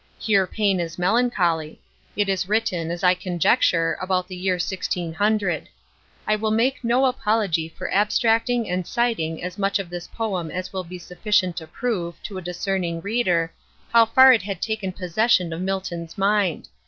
Here pain is melancholy. It was written, as I conjecture, about the year 1600. I will make no apology for abstracting and citing as much of this poem as will be sufficient to prove, to a discerning reader, how far it had taken possession of Milton's mind.